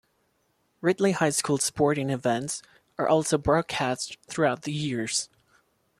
Ridley High School sporting events are also broadcast throughout the years.